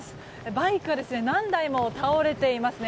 バイクが何台も倒れていますね。